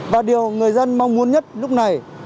và điều người dân mong muốn nhất lúc này